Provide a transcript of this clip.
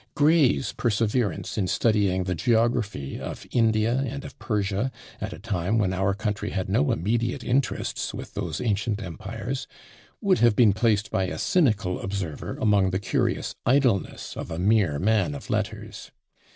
Gray's perseverance in studying the geography of India and of Persia, at a time when our country had no immediate interests with those ancient empires, would have been placed by a cynical observer among the curious idleness of a mere man of letters.